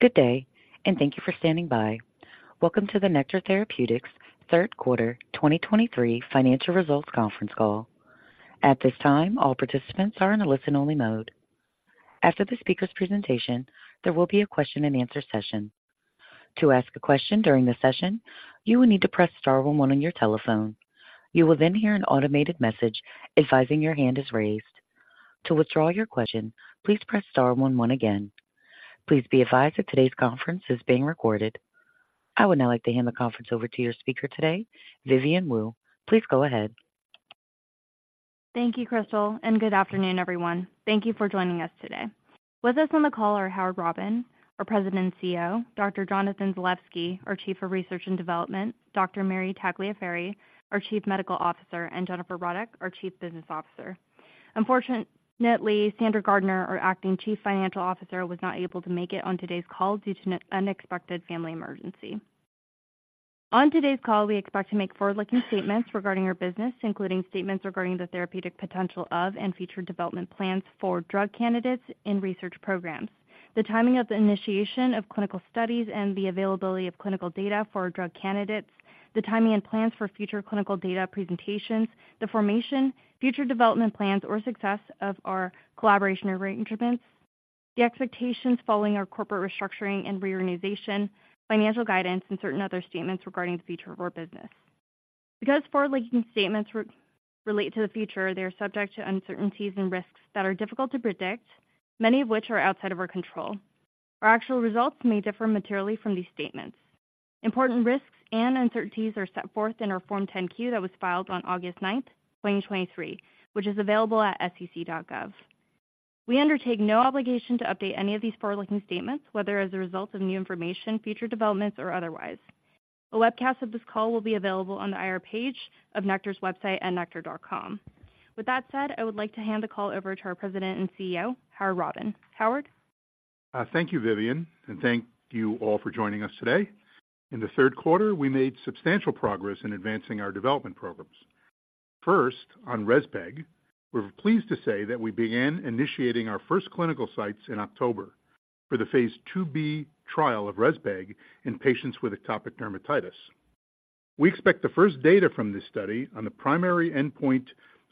Good day, and thank you for standing by. Welcome to the Nektar Therapeutics third quarter 2023 financial results conference call. At this time, all participants are in a listen-only mode. After the speaker's presentation, there will be a question-and-answer session. To ask a question during the session, you will need to press star one one on your telephone. You will then hear an automated message advising your hand is raised. To withdraw your question, please press star one one again. Please be advised that today's conference is being recorded. I would now like to hand the conference over to your speaker today, Vivian Wu. Please go ahead. Thank you, Crystal, and good afternoon, everyone. Thank you for joining us today. With us on the call are Howard Robin, our President and CEO, Dr. Jonathan Zalevsky, our Chief of Research and Development, Dr. Mary Tagliaferri, our Chief Medical Officer, and Jennifer Ruddock, our Chief Business Officer. Unfortunately, Sandra Gardiner, our acting Chief Financial Officer, was not able to make it on today's call due to an unexpected family emergency. On today's call, we expect to make forward-looking statements regarding our business, including statements regarding the therapeutic potential of and future development plans for drug candidates in research programs, the timing of the initiation of clinical studies, and the availability of clinical data for our drug candidates, the timing and plans for future clinical data presentations, the formation, future development plans, or success of our collaboration arrangements, the expectations following our corporate restructuring and reorganization, financial guidance, and certain other statements regarding the future of our business. Because forward-looking statements relate to the future, they are subject to uncertainties and risks that are difficult to predict, many of which are outside of our control. Our actual results may differ materially from these statements. Important risks and uncertainties are set forth in our Form 10-Q that was filed on August 9, 2023, which is available at SEC.gov. We undertake no obligation to update any of these forward-looking statements, whether as a result of new information, future developments, or otherwise. A webcast of this call will be available on the IR page of Nektar's website at nektar.com. With that said, I would like to hand the call over to our President and CEO, Howard Robin. Howard? Thank you, Vivian, and thank you all for joining us today. In the third quarter, we made substantial progress in advancing our development programs. First, on REZPEG, we're pleased to say that we began initiating our first clinical sites in October for the phase 2b trial of REZPEG in patients with atopic dermatitis. We expect the first data from this study on the primary endpoint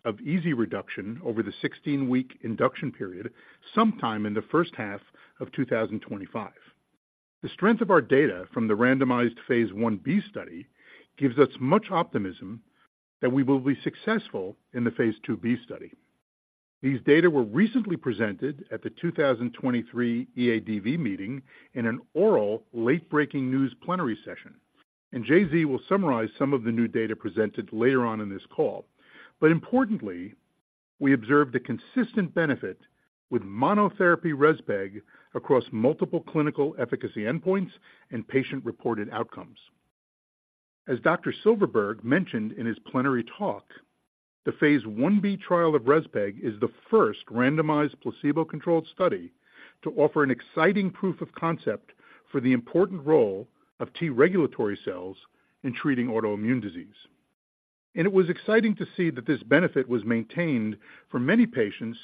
of EASI reduction over the 16-week induction period, sometime in the first half of 2025. The strength of our data from the randomized phase Ib study gives us much optimism that we will be successful in the phase IIb study. These data were recently presented at the 2023 EADV meeting in an oral late-breaking news plenary session, and JZ will summarize some of the new data presented later on in this call. But importantly, we observed a consistent benefit with monotherapy REZPEG across multiple clinical efficacy endpoints and patient-reported outcomes. As Dr. Silverberg mentioned in his plenary talk, the phase Ib trial of REZPEG is the first randomized, placebo-controlled study to offer an exciting proof of concept for the important role of T-regulatory cells in treating autoimmune disease. It was exciting to see that this benefit was maintained for many patients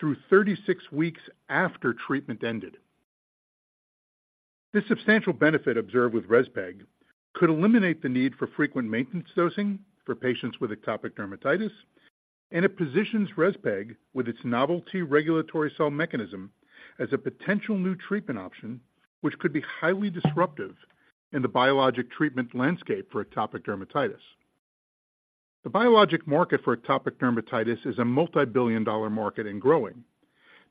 through 36 weeks after treatment ended. This substantial benefit observed with REZPEG could eliminate the need for frequent maintenance dosing for patients with atopic dermatitis, and it positions REZPEG with its novel regulatory cell mechanism as a potential new treatment option, which could be highly disruptive in the biologic treatment landscape for atopic dermatitis. The biologic market for atopic dermatitis is a multibillion-dollar market and growing.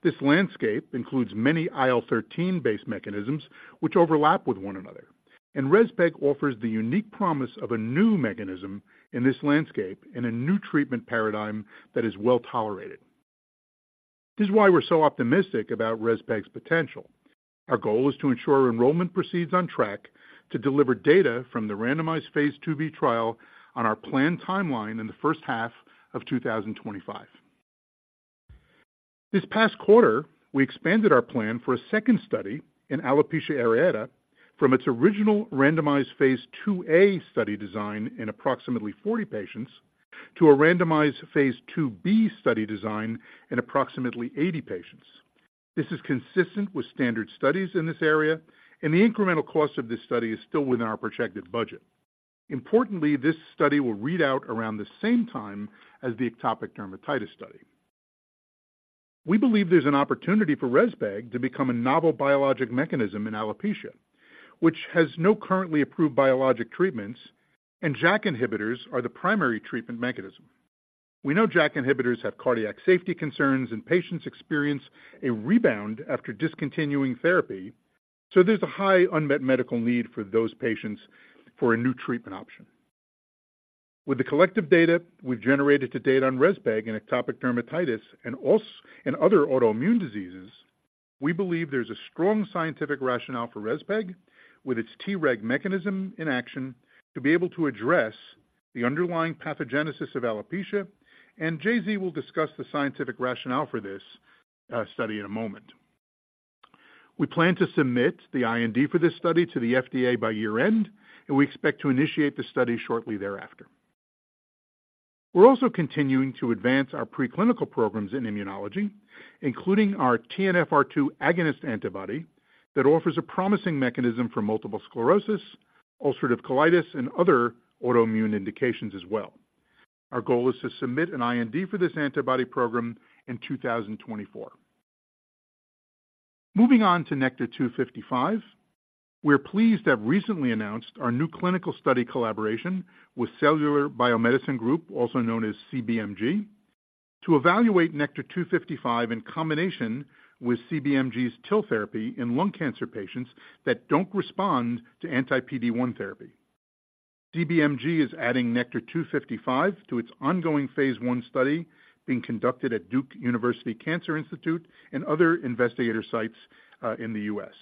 This landscape includes many IL-13-based mechanisms which overlap with one another, and REZPEG offers the unique promise of a new mechanism in this landscape and a new treatment paradigm that is well-tolerated. This is why we're so optimistic about REZPEG's potential. Our goal is to ensure enrollment proceeds on track to deliver data from the randomized phase IIb trial on our planned timeline in the first half of 2025. This past quarter, we expanded our plan for a second study in alopecia areata from its original randomized phase IIa study design in approximately 40 patients to a randomized phase IIb study design in approximately 80 patients. This is consistent with standard studies in this area, and the incremental cost of this study is still within our projected budget. Importantly, this study will read out around the same time as the atopic dermatitis study. We believe there's an opportunity for Rezpeg to become a novel biologic mechanism in alopecia, which has no currently approved biologic treatments, and JAK inhibitors are the primary treatment mechanism. We know JAK inhibitors have cardiac safety concerns, and patients experience a rebound after discontinuing therapy, so there's a high unmet medical need for those patients for a new treatment option. With the collective data we've generated to date on Rezpeg in atopic dermatitis and als... In other autoimmune diseases, we believe there's a strong scientific rationale for Rezpeg, with its Treg mechanism in action, to be able to address the underlying pathogenesis of alopecia, and JZ will discuss the scientific rationale for this study in a moment. We plan to submit the IND for this study to the FDA by year-end, and we expect to initiate the study shortly thereafter. We're also continuing to advance our preclinical programs in immunology, including our TNFR2 agonist antibody, that offers a promising mechanism for multiple sclerosis, ulcerative colitis, and other autoimmune indications as well. Our goal is to submit an IND for this antibody program in 2024. Moving on to NKTR-255, we're pleased to have recently announced our new clinical study collaboration with Cellular Biomedicine Group, also known as CBMG, to evaluate NKTR-255 in combination with CBMG's TIL therapy in lung cancer patients that don't respond to anti-PD-1 therapy. CBMG is adding NKTR-255 to its ongoing phase I study being conducted at Duke University Cancer Institute and other investigator sites, in the U.S.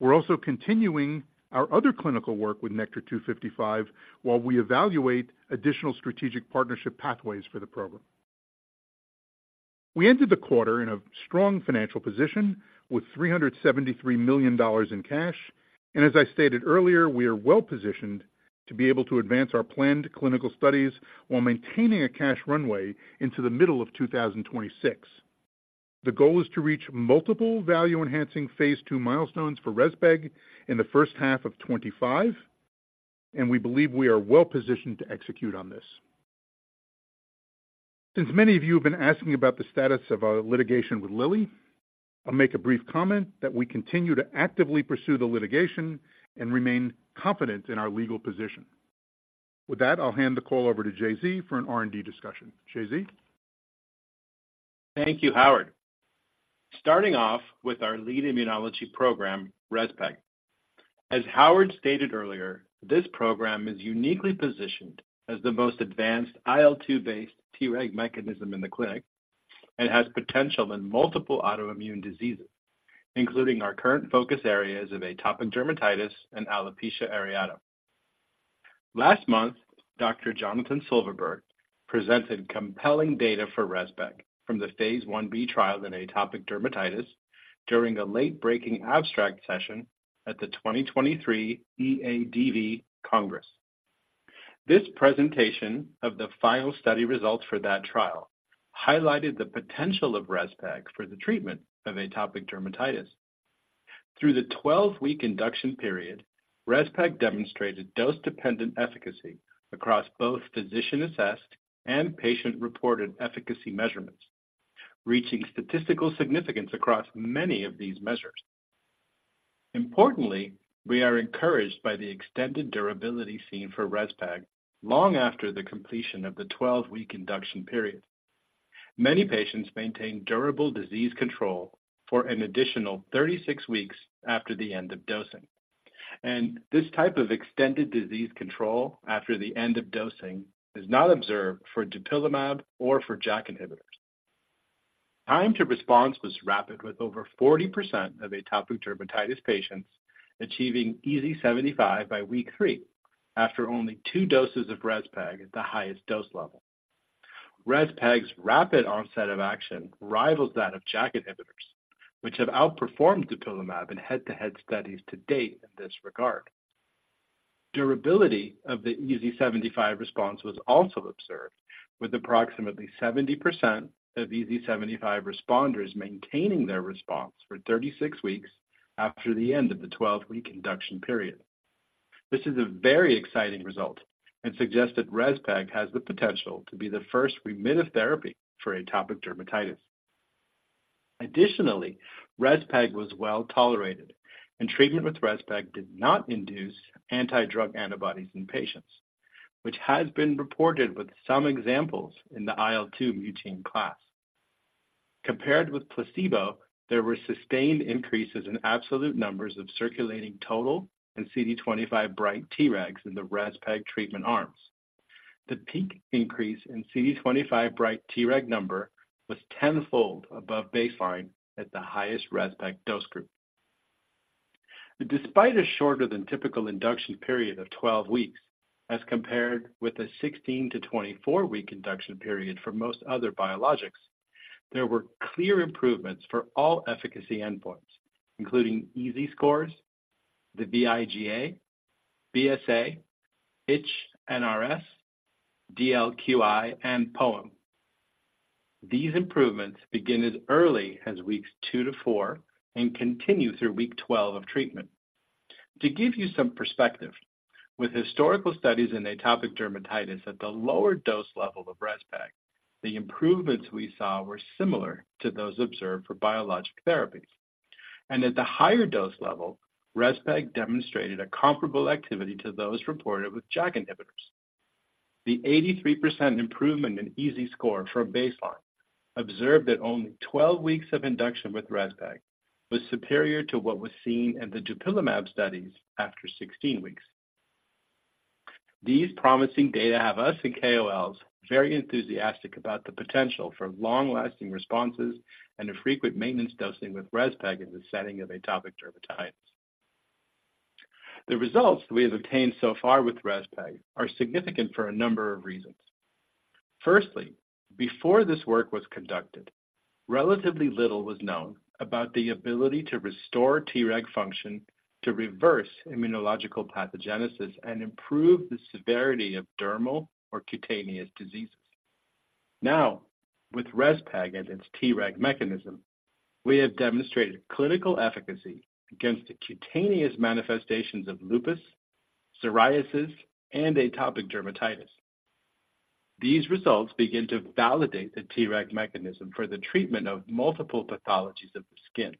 We're also continuing our other clinical work with NKTR-255 while we evaluate additional strategic partnership pathways for the program. We ended the quarter in a strong financial position with $373 million in cash, and as I stated earlier, we are well positioned to be able to advance our planned clinical studies while maintaining a cash runway into the middle of 2026. The goal is to reach multiple value-enhancing phase II milestones for REZPEG in the first half of 2025, and we believe we are well positioned to execute on this. Since many of you have been asking about the status of our litigation with Lilly, I'll make a brief comment that we continue to actively pursue the litigation and remain confident in our legal position. With that, I'll hand the call over to JZ for an R&D discussion. JZ? Thank you, Howard. Starting off with our lead immunology program, Rezpeg. As Howard stated earlier, this program is uniquely positioned as the most advanced IL-2 based Treg mechanism in the clinic and has potential in multiple autoimmune diseases, including our current focus areas of atopic dermatitis and alopecia areata. Last month, Dr. Jonathan Silverberg presented compelling data for Rezpeg from the phase Ib trial in atopic dermatitis during a late-breaking abstract session at the 2023 EADV Congress. This presentation of the final study results for that trial highlighted the potential of Rezpeg for the treatment of atopic dermatitis. Through the 12-week induction period, Rezpeg demonstrated dose-dependent efficacy across both physician-assessed and patient-reported efficacy measurements, reaching statistical significance across many of these measures. Importantly, we are encouraged by the extended durability seen for Rezpeg long after the completion of the 12-week induction period. Many patients maintained durable disease control for an additional 36 weeks after the end of dosing, and this type of extended disease control after the end of dosing is not observed for dupilumab or for JAK inhibitors. Time to response was rapid, with over 40% of atopic dermatitis patients achieving EASI 75 by week 3, after only 2 doses of Rezpeg at the highest dose level. Rezpeg's rapid onset of action rivals that of JAK inhibitors, which have outperformed dupilumab in head-to-head studies to date in this regard. Durability of the EASI 75 response was also observed, with approximately 70% of EASI 75 responders maintaining their response for 36 weeks after the end of the 12-week induction period. This is a very exciting result and suggests that Rezpeg has the potential to be the first remittive therapy for atopic dermatitis. Additionally, REZPEG was well tolerated, and treatment with REZPEG did not induce anti-drug antibodies in patients, which has been reported with some examples in the IL-2 mutein class. Compared with placebo, there were sustained increases in absolute numbers of circulating total and CD25 bright Tregs in the REZPEG treatment arms. The peak increase in CD25 bright Treg number was tenfold above baseline at the highest REZPEG dose group. Despite a shorter than typical induction period of 12 weeks, as compared with a 16-24-week induction period for most other biologics, there were clear improvements for all efficacy endpoints, including EASI scores, the IGA, BSA, itch NRS, DLQI, and POEM. These improvements begin as early as weeks 2-4 and continue through week 12 of treatment. To give you some perspective, with historical studies in atopic dermatitis at the lower dose level of REZPEG, the improvements we saw were similar to those observed for biologic therapies, and at the higher dose level, REZPEG demonstrated a comparable activity to those reported with JAK inhibitors. The 83% improvement in EASI score from baseline observed at only 12 weeks of induction with REZPEG, was superior to what was seen in the dupilumab studies after 16 weeks. These promising data have us and KOLs very enthusiastic about the potential for long-lasting responses and a frequent maintenance dosing with REZPEG in the setting of atopic dermatitis. The results we have obtained so far with REZPEG are significant for a number of reasons. Firstly, before this work was conducted...... Relatively little was known about the ability to restore Treg function to reverse immunological pathogenesis and improve the severity of dermal or cutaneous diseases. Now, with REZPEG and its Treg mechanism, we have demonstrated clinical efficacy against the cutaneous manifestations of lupus, psoriasis, and atopic dermatitis. These results begin to validate the Treg mechanism for the treatment of multiple pathologies of the skin.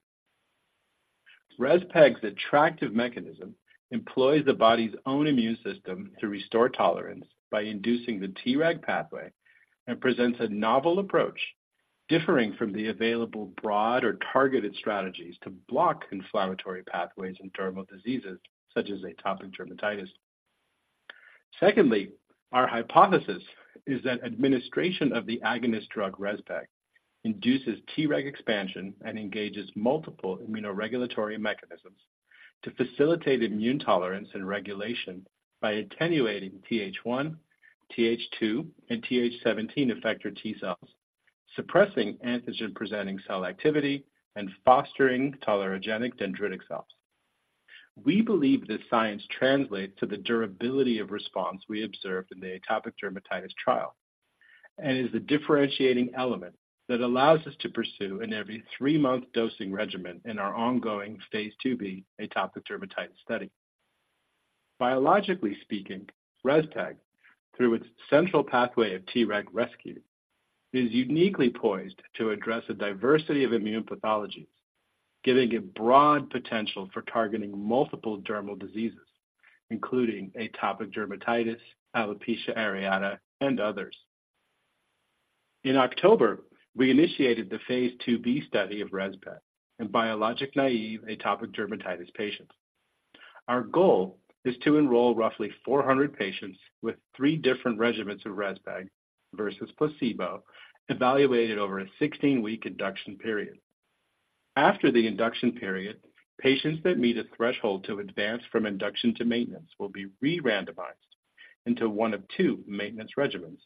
REZPEG's attractive mechanism employs the body's own immune system to restore tolerance by inducing the Treg pathway and presents a novel approach, differing from the available broad or targeted strategies to block inflammatory pathways in dermal diseases such as atopic dermatitis. Secondly, our hypothesis is that administration of the agonist drug REZPEG induces Treg expansion and engages multiple immunoregulatory mechanisms to facilitate immune tolerance and regulation by attenuating TH1, TH2, and TH17 effector T cells, suppressing antigen-presenting cell activity, and fostering tolerogenic dendritic cells. We believe this science translates to the durability of response we observed in the atopic dermatitis trial and is the differentiating element that allows us to pursue an every three-month dosing regimen in our ongoing Phase IIb atopic dermatitis study. Biologically speaking, REZPEG, through its central pathway of Treg rescue, is uniquely poised to address a diversity of immune pathologies, giving it broad potential for targeting multiple dermal diseases, including atopic dermatitis, alopecia areata, and others. In October, we initiated the Phase IIb study of REZPEG in biologic-naive atopic dermatitis patients. Our goal is to enroll roughly 400 patients with three different regimens of REZPEG versus placebo, evaluated over a 16-week induction period. After the induction period, patients that meet a threshold to advance from induction to maintenance will be re-randomized into one of two maintenance regimens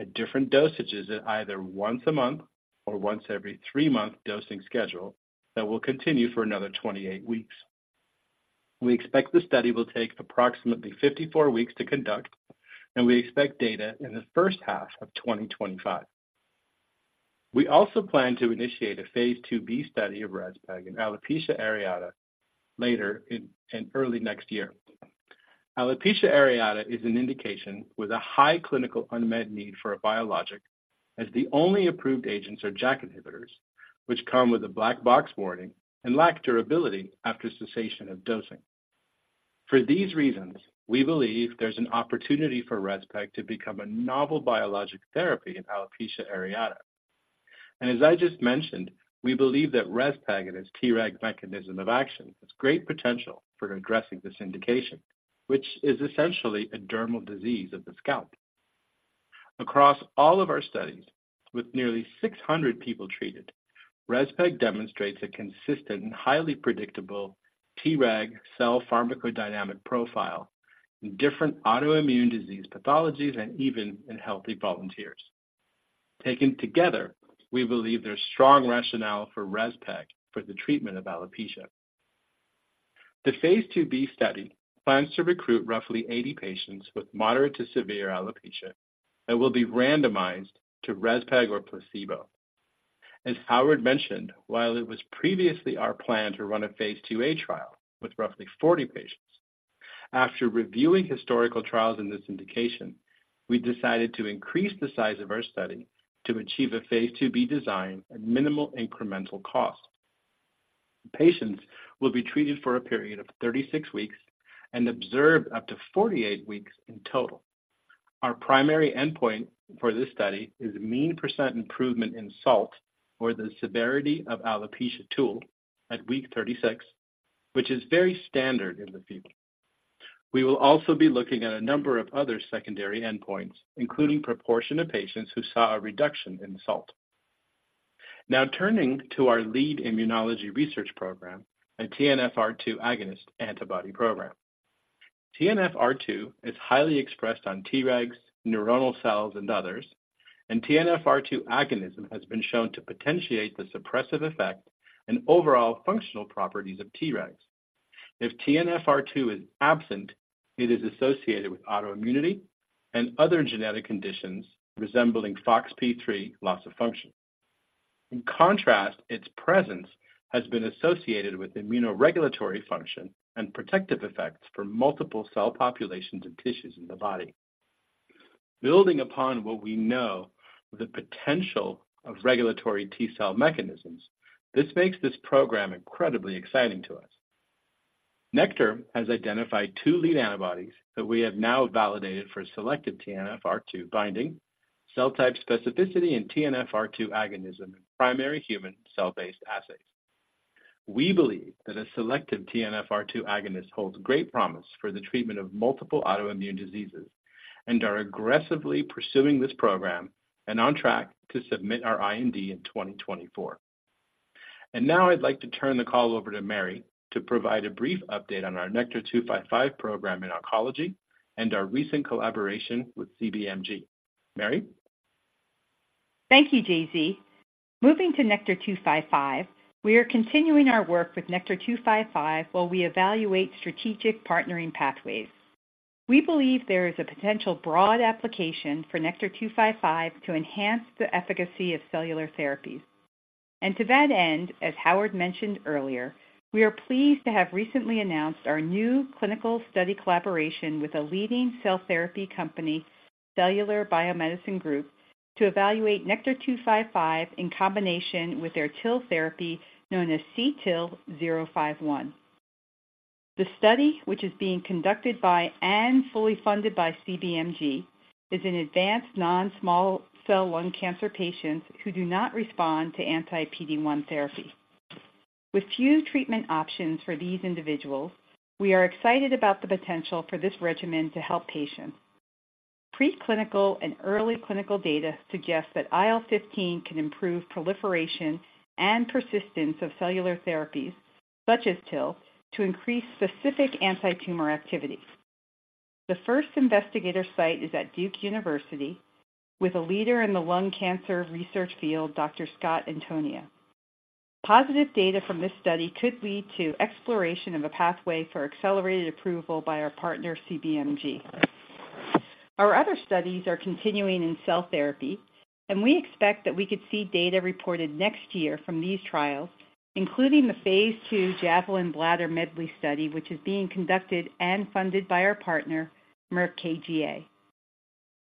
at different dosages at either once a month or once every three-month dosing schedule that will continue for another 28 weeks. We expect the study will take approximately 54 weeks to conduct, and we expect data in the first half of 2025. We also plan to initiate a phase IIb study of REZPEG in alopecia areata later in early next year. Alopecia areata is an indication with a high clinical unmet need for a biologic, as the only approved agents are JAK inhibitors, which come with a black box warning and lack durability after cessation of dosing. For these reasons, we believe there's an opportunity for REZPEG to become a novel biologic therapy in alopecia areata. As I just mentioned, we believe that REZPEG and its Treg mechanism of action has great potential for addressing this indication, which is essentially a dermal disease of the scalp. Across all of our studies, with nearly 600 people treated, REZPEG demonstrates a consistent and highly predictable Treg cell pharmacodynamic profile in different autoimmune disease pathologies and even in healthy volunteers. Taken together, we believe there's strong rationale for REZPEG for the treatment of alopecia. The phase IIb study plans to recruit roughly 80 patients with moderate to severe alopecia that will be randomized to REZPEG or placebo. As Howard mentioned, while it was previously our plan to run a phase IIa trial with roughly 40 patients, after reviewing historical trials in this indication, we decided to increase the size of our study to achieve a phase IIb design at minimal incremental cost. Patients will be treated for a period of 36 weeks and observed up to 48 weeks in total. Our primary endpoint for this study is mean % improvement in SALT, or the Severity of Alopecia Tool, at week 36, which is very standard in the field. We will also be looking at a number of other secondary endpoints, including proportion of patients who saw a reduction in SALT. Now turning to our lead immunology research program, a TNFR2 agonist antibody program. TNFR2 is highly expressed on Tregs, neuronal cells, and others, and TNFR2 agonism has been shown to potentiate the suppressive effect and overall functional properties of Tregs. If TNFR2 is absent, it is associated with autoimmunity and other genetic conditions resembling FoxP3 loss of function. In contrast, its presence has been associated with immunoregulatory function and protective effects for multiple cell populations and tissues in the body. Building upon what we know of the potential of regulatory T cell mechanisms, this makes this program incredibly exciting to us. Nektar has identified two lead antibodies that we have now validated for selective TNFR2 binding, cell type specificity, and TNFR2 agonism in primary human cell-based assays. We believe that a selective TNFR2 agonist holds great promise for the treatment of multiple autoimmune diseases and are aggressively pursuing this program and on track to submit our IND in 2024. And now I'd like to turn the call over to Mary to provide a brief update on our NKTR-255 program in oncology and our recent collaboration with CBMG. Mary? Thank you, JZ. Moving to NKTR-255, we are continuing our work with NKTR-255 while we evaluate strategic partnering pathways. We believe there is a potential broad application for NKTR-255 to enhance the efficacy of cellular therapies. And to that end, as Howard mentioned earlier, we are pleased to have recently announced our new clinical study collaboration with a leading cell therapy company, Cellular Biomedicine Group, to evaluate NKTR-255 in combination with their TIL therapy known as C-TIL051. The study, which is being conducted by and fully funded by CBMG, is in advanced non-small cell lung cancer patients who do not respond to anti-PD-1 therapy. With few treatment options for these individuals, we are excited about the potential for this regimen to help patients. Preclinical and early clinical data suggest that IL-15 can improve proliferation and persistence of cellular therapies, such as TIL, to increase specific antitumor activity. The first investigator site is at Duke University with a leader in the lung cancer research field, Dr. Scott Antonia. Positive data from this study could lead to exploration of a pathway for accelerated approval by our partner, CBMG. Our other studies are continuing in cell therapy, and we expect that we could see data reported next year from these trials, including the phase II JAVELIN Bladder Medley study, which is being conducted and funded by our partner, Merck KGaA.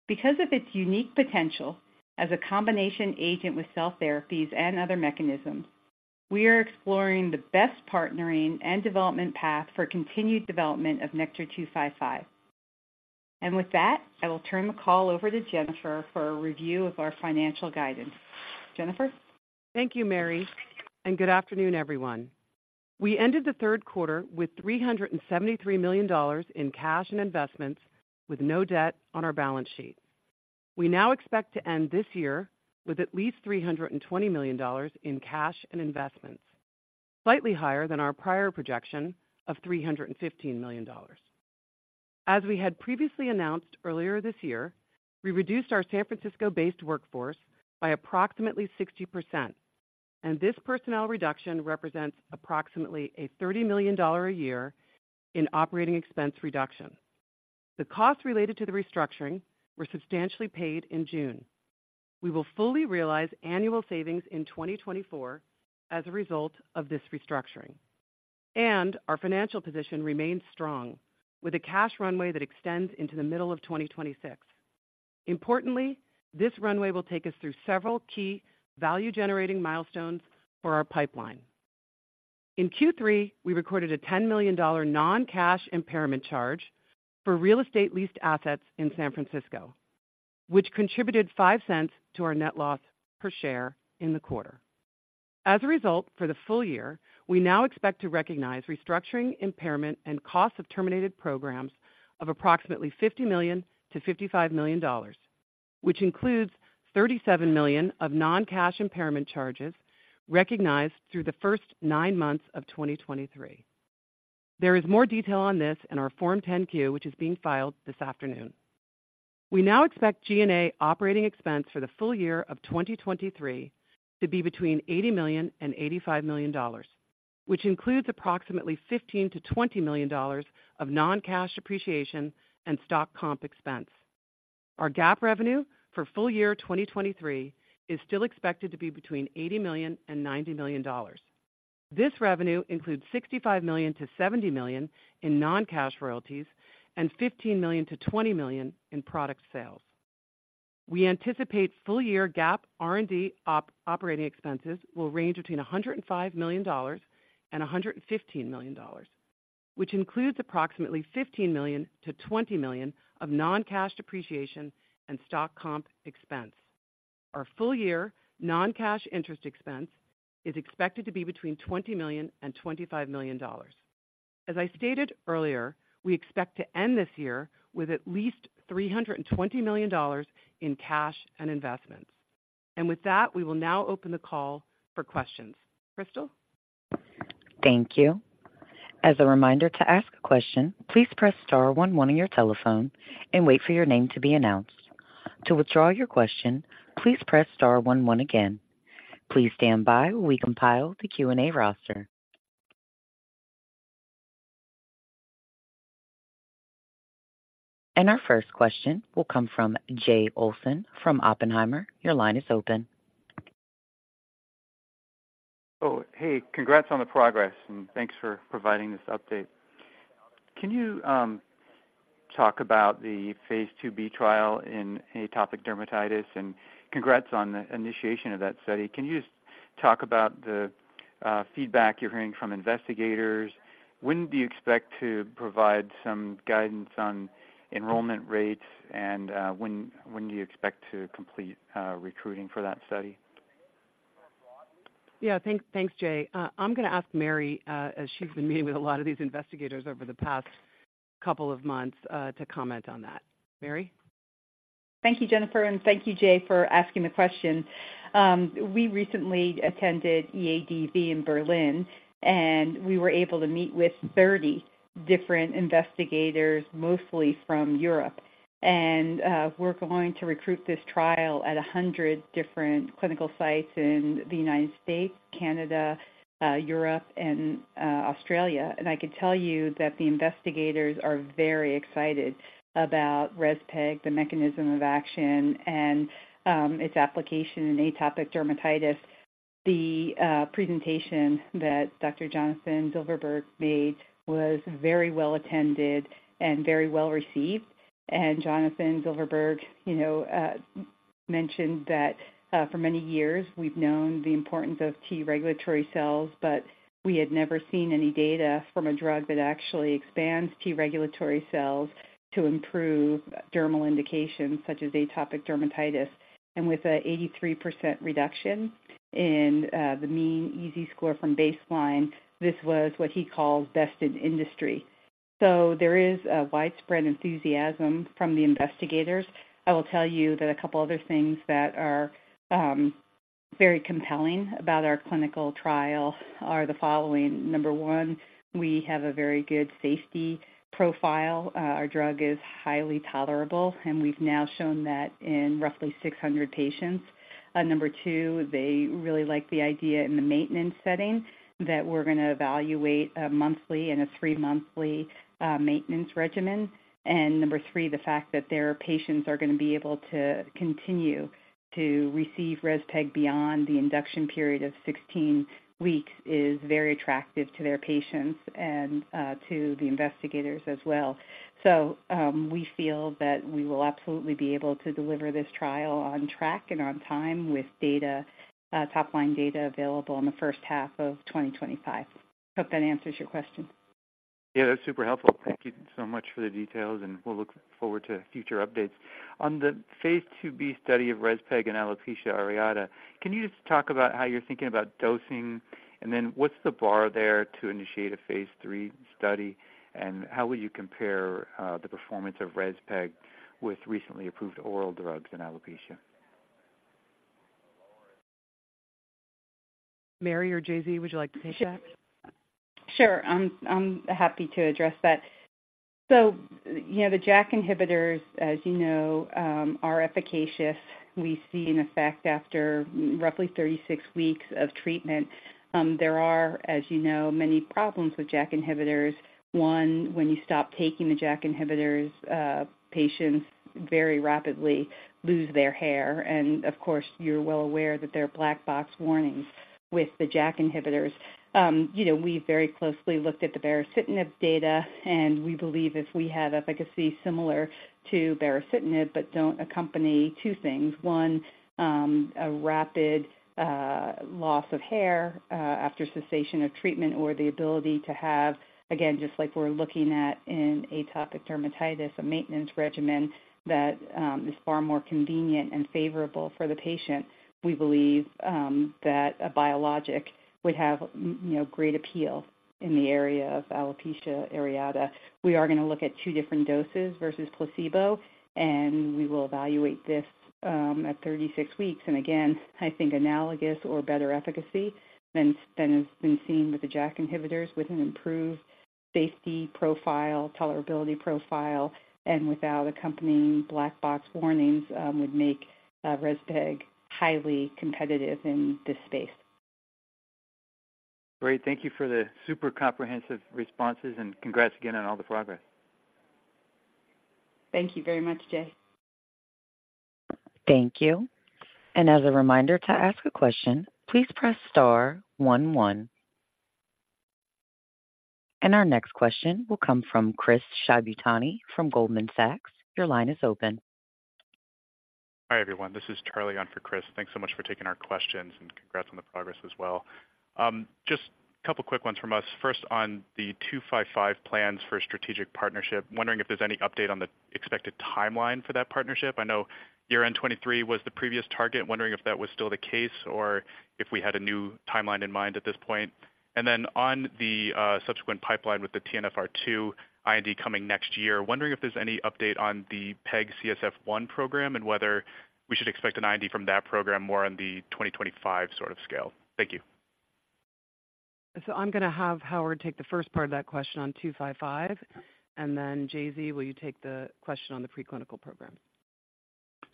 Because of its unique potential as a combination agent with cell therapies and other mechanisms, we are exploring the best partnering and development path for continued development of NKTR-255. And with that, I will turn the call over to Jennifer for a review of our financial guidance. Jennifer? Thank you, Mary, and good afternoon, everyone. We ended the third quarter with $373 million in cash and investments, with no debt on our balance sheet. We now expect to end this year with at least $320 million in cash and investments, slightly higher than our prior projection of $315 million. As we had previously announced earlier this year, we reduced our San Francisco-based workforce by approximately 60%, and this personnel reduction represents approximately a $30 million a year in operating expense reduction. The costs related to the restructuring were substantially paid in June. We will fully realize annual savings in 2024 as a result of this restructuring, and our financial position remains strong, with a cash runway that extends into the middle of 2026. Importantly, this runway will take us through several key value-generating milestones for our pipeline. In Q3, we recorded a $10 million non-cash impairment charge for real estate leased assets in San Francisco, which contributed $0.05 to our net loss per share in the quarter. As a result, for the full year, we now expect to recognize restructuring, impairment, and costs of terminated programs of approximately $50 million-$55 million, which includes $37 million of non-cash impairment charges recognized through the first nine months of 2023. There is more detail on this in our Form 10-Q, which is being filed this afternoon. We now expect G&A operating expense for the full year of 2023 to be between $80 million and $85 million, which includes approximately $15 million-$20 million of non-cash depreciation and stock comp expense. Our GAAP revenue for full year 2023 is still expected to be between $80 million and $90 million. This revenue includes $65 million-$70 million in non-cash royalties and $15 million-$20 million in product sales. We anticipate full-year GAAP R&D operating expenses will range between $105 million and $115 million, which includes approximately $15 million-$20 million of non-cash depreciation and stock comp expense. Our full-year non-cash interest expense is expected to be between $20 million and $25 million. As I stated earlier, we expect to end this year with at least $320 million in cash and investments. And with that, we will now open the call for questions. Crystal? Thank you. As a reminder to ask a question, please press star one one on your telephone and wait for your name to be announced. To withdraw your question, please press star one one again. Please stand by while we compile the Q&A roster. Our first question will come from Jay Olson from Oppenheimer. Your line is open. Oh, hey, congrats on the progress, and thanks for providing this update. Can you talk about the phase IIb trial in atopic dermatitis? Congrats on the initiation of that study. Can you just talk about the feedback you're hearing from investigators? When do you expect to provide some guidance on enrollment rates, and when do you expect to complete recruiting for that study? Yeah, thanks. Thanks, Jay. I'm gonna ask Mary, as she's been meeting with a lot of these investigators over the past couple of months, to comment on that. Mary?... Thank you, Jennifer, and thank you, Jay, for asking the question. We recently attended EADV in Berlin, and we were able to meet with 30 different investigators, mostly from Europe. And we're going to recruit this trial at 100 different clinical sites in the United States, Canada, Europe and Australia. And I can tell you that the investigators are very excited about REZPEG, the mechanism of action, and its application in atopic dermatitis. The presentation that Dr. Jonathan Silverberg made was very well attended and very well received. And Jonathan Silverberg, you know, mentioned that for many years we've known the importance of T regulatory cells, but we had never seen any data from a drug that actually expands T regulatory cells to improve dermal indications such as atopic dermatitis. And with an 83% reduction in the mean EASI score from baseline, this was what he calls best in industry. So there is a widespread enthusiasm from the investigators. I will tell you that a couple other things that are very compelling about our clinical trial are the following: Number one, we have a very good safety profile. Our drug is highly tolerable, and we've now shown that in roughly 600 patients. Number two, they really like the idea in the maintenance setting that we're gonna evaluate a monthly and a three-monthly maintenance regimen. And number three, the fact that their patients are going to be able to continue to receive REZPEG beyond the induction period of 16 weeks is very attractive to their patients and to the investigators as well. We feel that we will absolutely be able to deliver this trial on track and on time, with data, top-line data available in the first half of 2025. Hope that answers your question. Yeah, that's super helpful. Thank you so much for the details, and we'll look forward to future updates. On the phase IIb study of REZPEG and alopecia areata, can you just talk about how you're thinking about dosing? And then what's the bar there to initiate a phase III study? And how will you compare the performance of REZPEG with recently approved oral drugs in alopecia? Mary or JZ, would you like to take that? Sure. I'm happy to address that. So, you know, the JAK inhibitors, as you know, are efficacious. We see an effect after roughly 36 weeks of treatment. There are, as you know, many problems with JAK inhibitors. One, when you stop taking the JAK inhibitors, patients very rapidly lose their hair. And of course, you're well aware that there are black box warnings with the JAK inhibitors. You know, we've very closely looked at the baricitinib data, and we believe if we have efficacy similar to baricitinib, but don't accompany two things: One, a rapid loss of hair after cessation of treatment, or the ability to have, again, just like we're looking at in atopic dermatitis, a maintenance regimen that is far more convenient and favorable for the patient. We believe that a biologic would have, you know, great appeal in the area of alopecia areata. We are gonna look at 2 different doses versus placebo, and we will evaluate this at 36 weeks. Again, I think analogous or better efficacy than has been seen with the JAK inhibitors, with an improved safety profile, tolerability profile, and without accompanying black box warnings would make REZPEG highly competitive in this space. Great. Thank you for the super comprehensive responses, and congrats again on all the progress. Thank you very much, Jay. Thank you. As a reminder to ask a question, please press star 1 1. Our next question will come from Chris Shibutani from Goldman Sachs. Your line is open. Hi, everyone. This is Charlie on for Chris. Thanks so much for taking our questions, and congrats on the progress as well. Just a couple quick ones from us. First, on the 255 plans for strategic partnership, wondering if there's any update on the expected timeline for that partnership. I know year-end 2023 was the previous target. Wondering if that was still the case or if we had a new timeline in mind at this point. And then on the subsequent pipeline with the TNFR2, IND coming next year. Wondering if there's any update on the PEG CSF1R program and whether we should expect an IND from that program more on the 2025 sort of scale. Thank you. So I'm gonna have Howard take the first part of that question on 255, and then JZ, will you take the question on the preclinical program?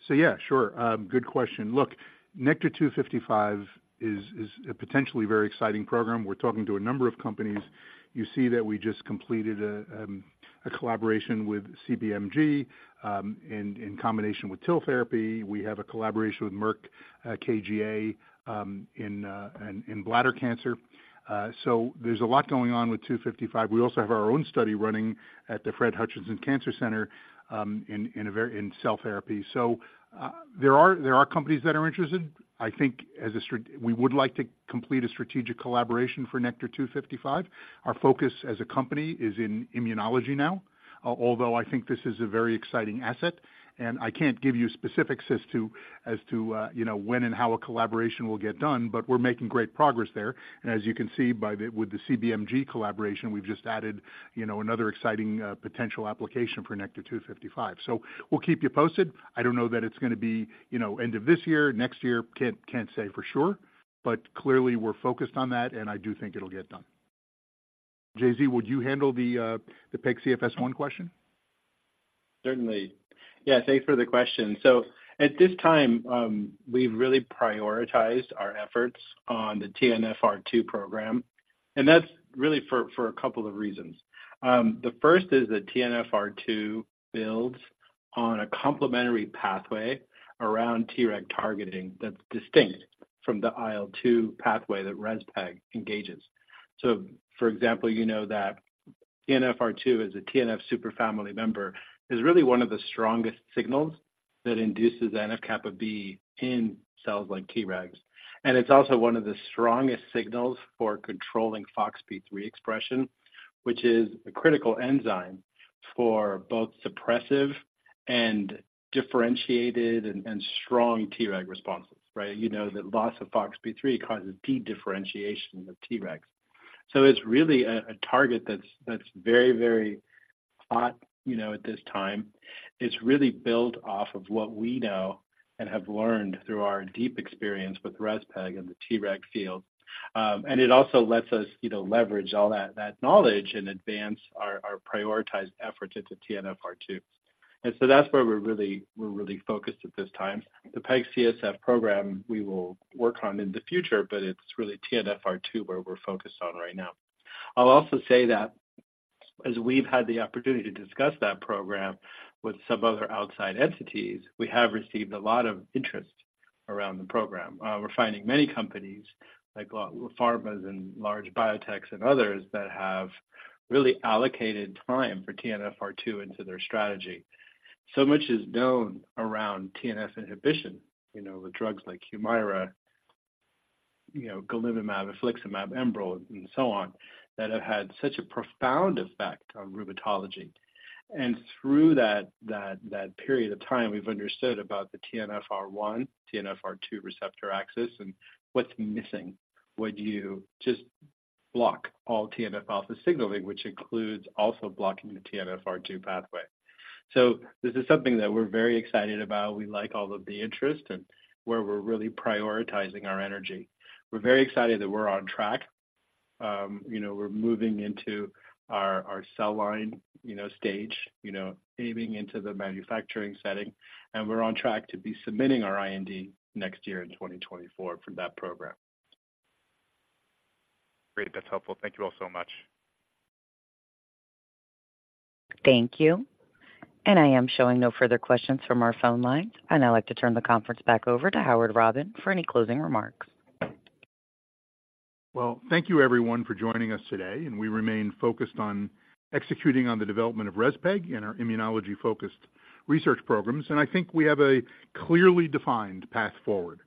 So, yeah, sure. Good question. Look, NKTR-255 is a potentially very exciting program. We're talking to a number of companies. You see that we just completed a collaboration with CBMG in combination with TIL therapy. We have a collaboration with Merck KGaA in bladder cancer. So there's a lot going on with 255. We also have our own study running at the Fred Hutchinson Cancer Center in cell therapy. So there are companies that are interested. I think as a str... We would like to complete a strategic collaboration for NKTR-255. Our focus as a company is in immunology now, although I think this is a very exciting asset, and I can't give you specifics as to, as to, you know, when and how a collaboration will get done, but we're making great progress there. And as you can see by the, with the CBMG collaboration, we've just added, you know, another exciting potential application for NKTR-255. So we'll keep you posted. I don't know that it's gonna be, you know, end of this year, next year. Can't, can't say for sure, but clearly we're focused on that, and I do think it'll get done. JZ, would you handle the, the PEG CSF-1 question? ...Certainly. Yeah, thanks for the question. So at this time, we've really prioritized our efforts on the TNFR2 program, and that's really for a couple of reasons. The first is that TNFR2 builds on a complementary pathway around Treg targeting that's distinct from the IL-2 pathway that Respeg engages. So for example, you know that TNFR2 is a TNF superfamily member, is really one of the strongest signals that induces NF-kappa B in cells like Tregs. And it's also one of the strongest signals for controlling FoxP3 expression, which is a critical enzyme for both suppressive and differentiated and strong Treg responses, right? You know that loss of FoxP3 causes dedifferentiation of Tregs. So it's really a target that's very, very hot, you know, at this time. It's really built off of what we know and have learned through our deep experience with Rezpeg in the Treg field. And it also lets us, you know, leverage all that knowledge and advance our prioritized efforts into TNFR2. And so that's where we're really focused at this time. The PEG-CSF program, we will work on in the future, but it's really TNFR2 where we're focused on right now. I'll also say that as we've had the opportunity to discuss that program with some other outside entities, we have received a lot of interest around the program. We're finding many companies, like pharmas and large biotechs and others, that have really allocated time for TNFR2 into their strategy. So much is known around TNF inhibition, you know, with drugs like Humira, you know, Golimumab, Infliximab, Enbrel, and so on, that have had such a profound effect on rheumatology. Through that period of time, we've understood about the TNFR1, TNFR2 receptor axis, and what's missing, would you just block all TNF-alpha signaling, which includes also blocking the TNFR2 pathway. So this is something that we're very excited about. We like all of the interest and where we're really prioritizing our energy. We're very excited that we're on track. You know, we're moving into our cell line stage, you know, aiming into the manufacturing setting, and we're on track to be submitting our IND next year in 2024 for that program. Great. That's helpful. Thank you all so much. Thank you. I am showing no further questions from our phone lines, and I'd like to turn the conference back over to Howard Robin for any closing remarks. Well, thank you everyone for joining us today, and we remain focused on executing on the development of REZPEG and our immunology-focused research programs. And I think we have a clearly defined path forward.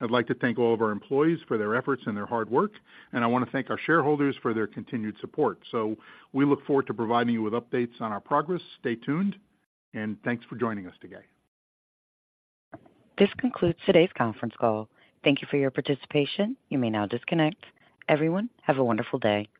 I'd like to thank all of our employees for their efforts and their hard work, and I want to thank our shareholders for their continued support. So we look forward to providing you with updates on our progress. Stay tuned, and thanks for joining us today. This concludes today's conference call. Thank you for your participation. You may now disconnect. Everyone, have a wonderful day.